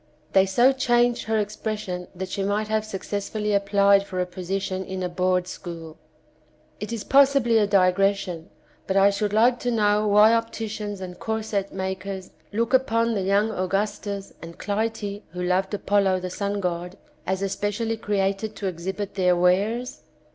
They so changed her ex pression that she might have successfully applied for a position in a board school. It is possibly a digression, but I should like to know why opticians and corset makers look upon the young Augustus and Clytie, who loved Apollo the sun god, as especially created to exhibit their wares